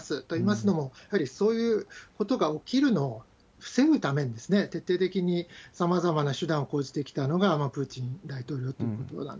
といいますのも、やっぱりそういうことが起きるのを防ぐために、徹底的にさまざまな手段を講じてきたのがプーチン大統領というこ